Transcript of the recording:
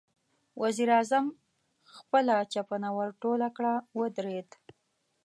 وزير اعظم خپله چپنه ورټوله کړه، ودرېد.